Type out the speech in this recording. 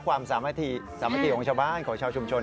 ความสามัคสามัคคีของชาวบ้านของชาวชุมชน